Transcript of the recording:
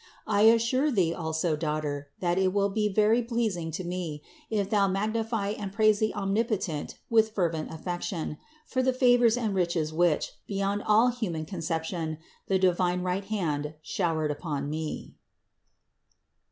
I assure thee also, daughter, that it will be very pleasing to me, if thou magnify and praise the Om nipotent with fervent affection, for the favors and riches which, beyond all human conception, the divine right hand showered upon me.